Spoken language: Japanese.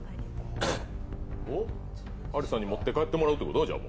アリスさんに持って帰ってもらうってこと？